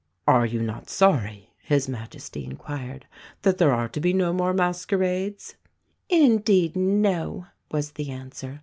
"Are you not sorry," His Majesty enquired, "that there are to be no more masquerades?" "Indeed, no," was the answer.